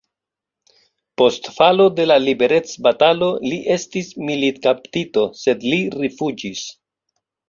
Post falo de la liberecbatalo li estis militkaptito, sed li rifuĝis.